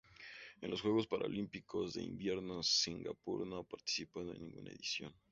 En los Juegos Paralímpicos de Invierno Singapur no ha participado en ninguna edición.